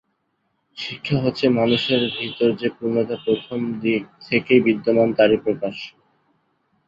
শিক্ষা হচ্ছে, মানুষের ভিতর যে পূর্ণতা প্রথম থেকেই বিদ্যমান, তারই প্রকাশ।